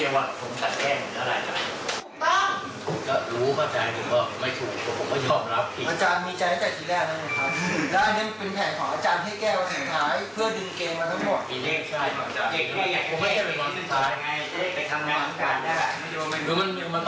มันก็เป็นเหล็กที่เดี๋ยวต้องทำผมไม่ได้ไปบอกว่าไอ้ต้องวางสุดท้าย